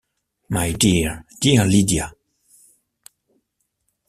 My dear, dear Lydia!